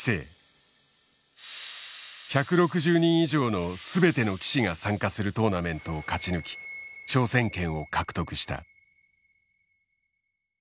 １６０人以上の全ての棋士が参加するトーナメントを勝ち抜き挑戦権を獲得した。